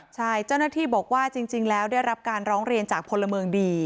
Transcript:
ใช่เจ้าหน้าที่บอกว่าจริงแล้วได้รับการร้องเรียนจากพลเมืองดี